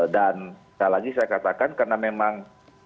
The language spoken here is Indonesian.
dan sekali lagi saya katakan karena memang